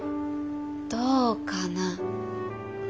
どうかな？